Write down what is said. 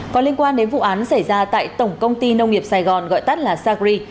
có liên quan đến vụ án xảy ra tại tổng công ty nông nghiệp sài gòn gọi tắt là sacri